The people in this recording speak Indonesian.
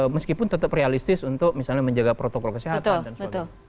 meskipun tetap realistis untuk misalnya menjaga protokol kesehatan